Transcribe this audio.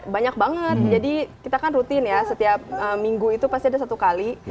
banyak banget jadi kita kan rutin ya setiap minggu itu pasti ada satu kali